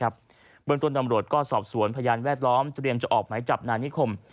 บนตรวจตำรวจก็สอบสวนพยานแวดล้อมเตรียมจะออกไหมจับนานิคม